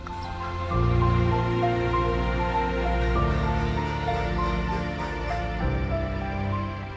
ketika dikumpulkan kemudian dikumpulkan ke kota padang